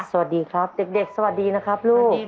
สวัสดีครับเด็กสวัสดีนะครับลูก